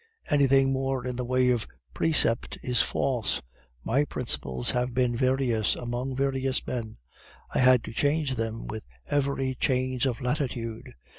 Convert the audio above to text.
Anything more in the way of precept is false. My principles have been various, among various men; I had to change them with every change of latitude.